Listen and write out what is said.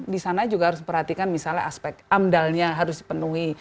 di sana juga harus diperhatikan misalnya aspek amdalnya harus dipenuhi